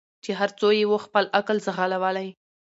چي هر څو یې وو خپل عقل ځغلولی